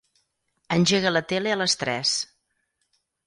Engega la tele a les tres.